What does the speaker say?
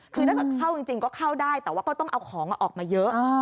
คือถ้าเกิดเข้าจริงก็เข้าได้แต่ว่าก็ต้องเอาของออกมาเยอะ